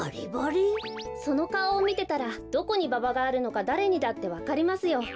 そのかおをみてたらどこにババがあるのかだれにだってわかりますよ。